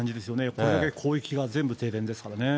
これだけ広域が全部停電ですからね。